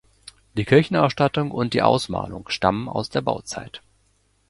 Die Kirchenausstattung und die Ausmalung stammen aus der Bauzeit.